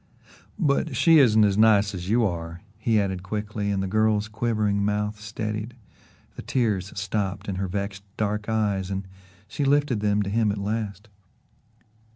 "But she isn't as nice as you are," he added quickly, and the girl's quivering mouth steadied, the tears stopped in her vexed dark eyes and she lifted them to him at last.